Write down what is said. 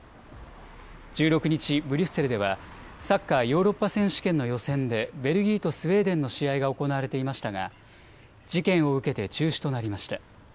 １６日、ブリュッセルではサッカーヨーロッパ選手権の予選でベルギーとスウェーデンの試合が行われていましたが事件を受けて中止となりました。